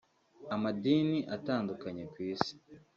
Amadini atandukanye ku Isi